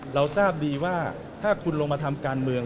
เราทราบดีว่าถ้าคุณลงมาทำการเมือง